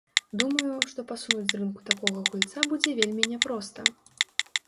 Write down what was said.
Думаю, што пасунуць з рынку такога гульца будзе вельмі няпроста.